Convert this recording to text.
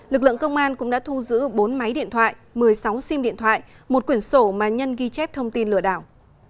lực lượng công an cũng đã thu giữ bốn máy điện thoại một mươi sáu sim điện thoại một quyển sổ mà nhân ghi chép thông tin lừa đảo